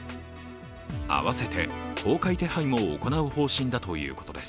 合わせて公開手配も行う方針だということです。